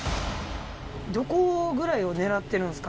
どこぐらいを狙ってるんですか？